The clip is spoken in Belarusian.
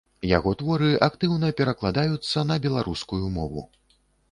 Яго творы актыўна перакладаюцца на беларускую мову.